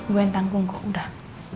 gue yang tanggung kok udah